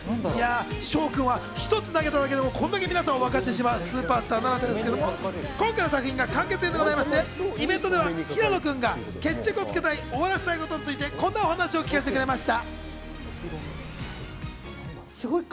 トークは一つの話題でこれだけ沸かせてしまうスーパーアイドルなんですけど、今回の作品が完結編になるということでイベントでは平野君が決着をつけたい終わらせたいことについて、こんな話を聞かせてくれました。